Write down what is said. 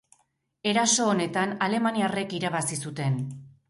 Eraso honetan Alemaniarrek irabazi zuten.